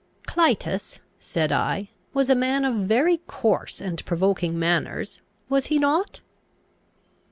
"Clitus," said I, "was a man of very coarse and provoking manners, was he not?"